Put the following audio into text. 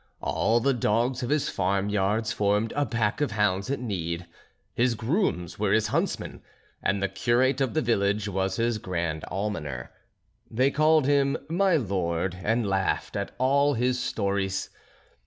All the dogs of his farm yards formed a pack of hounds at need; his grooms were his huntsmen; and the curate of the village was his grand almoner. They called him "My Lord," and laughed at all his stories.